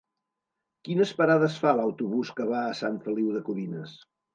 Quines parades fa l'autobús que va a Sant Feliu de Codines?